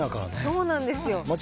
そうなんですよ。